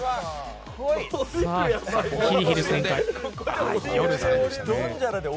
ヒリヒリする展開。